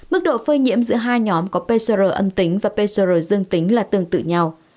mức độ phơi nhiễm giữa hai nhóm có pcr âm tính và pcr dương tính là tương tự nhau